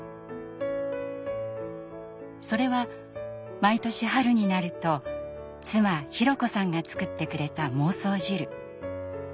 それは毎年春になると妻博子さんが作ってくれた孟宗汁。